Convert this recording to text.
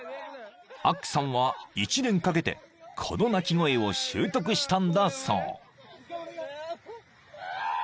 ［アックさんは１年かけてこの鳴き声を習得したんだそう］